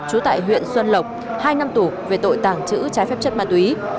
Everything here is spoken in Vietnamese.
chú tại huyện xuân lộc hai năm tủ về tội tàng trữ trái phép chất ma túy